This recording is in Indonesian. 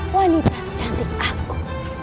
wanita secantik aku